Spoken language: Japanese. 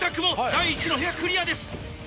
第１の部屋クリアです。